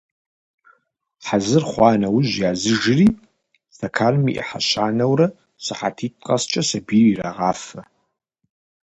Хьэзыр хъуа нэужь языжри, стэканым и ӏыхьэ щанэурэ сыхьэтитӏ къэскӏэ сабийр ирагъафэ.